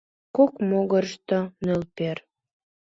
Кок могырышто нӧлпер.